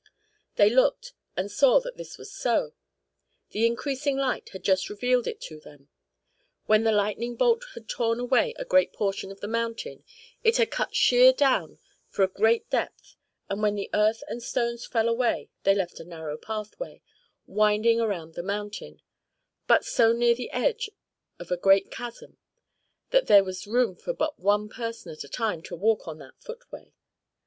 They looked, and saw that this was so. The increasing light had just revealed it to them. When the lightning bolt had torn away a great portion of the mountain it had cut sheer down for a great depth and when the earth and stones fell away they left a narrow pathway, winding around the mountain, but so near the edge of a great chasm, that there was room but for one person at a time to walk on that footway.